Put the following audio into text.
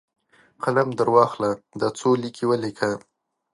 قلم درواخله ، دا څو لیکي ولیکه!